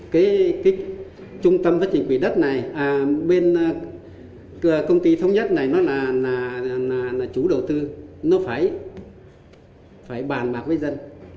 cái trung tâm phát triển quỹ đất này bên công ty thống nhất này nó là chủ đầu tư nó phải bàn bạc với dân